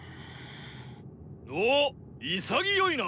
おお潔いな。